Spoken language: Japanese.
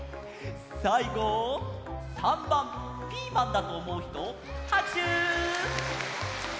さいご３ばんピーマンだとおもうひとはくしゅ！